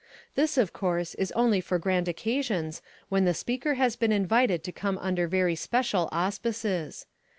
This, of course, is only for grand occasions when the speaker has been invited to come under very special auspices.